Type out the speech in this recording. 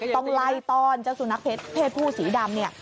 ต้องไล่ต้อนเจ้าสุนัขเพศผู้สีดำเนี่ย